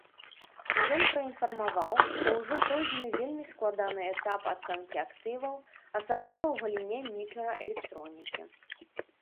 Ён праінфармаваў, што ўжо пройдзены вельмі складаны этап ацэнкі актываў, асабліва ў галіне мікраэлектронікі.